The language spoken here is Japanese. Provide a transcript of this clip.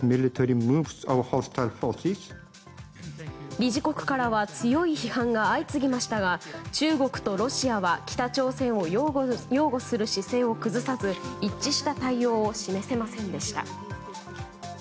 理事国からは強い批判が相次ぎましたが中国とロシアは北朝鮮を擁護する姿勢を崩さず一致した対応を示せませんでした。